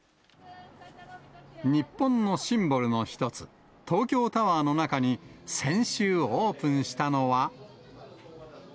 日本のシンボルの一つ、東京タワーの中に、先週オープンしたのは。